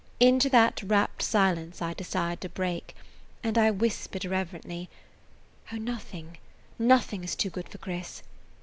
Into that rapt silence I desired to break, and I whispered irrelevantly, "Oh, nothing, nothing is too good for Chris!"